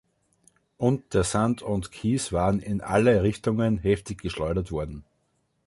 Und der Sand und Kies waren in alle Richtungen heftig geschleudert worden.